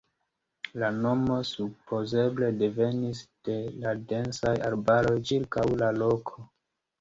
La nomo supozeble devenis de la densaj arbaroj ĉirkaŭ la loko.